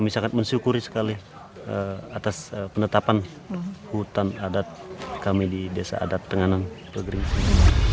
saya bersyukuri sekali atas penetapan hutan adat kami di desa adat tenganan pegering singan